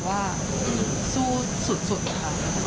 ว่าสู้สุดค่ะ